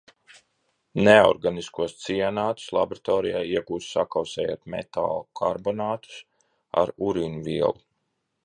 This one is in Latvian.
Neorganiskos cianātus laboratorijā iegūst, sakausējot metālu karbonātus ar urīnvielu.